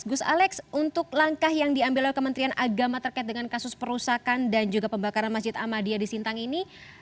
gus alex untuk langkah yang diambil oleh kementerian agama terkait dengan kasus perusahaan dan juga pembakaran masjid ahmadiyah di sintang ini